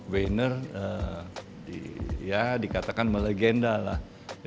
wenner ya dikatakan melegenda lah